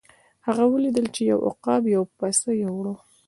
هغه ولیدل چې یو عقاب یو پسه یووړ.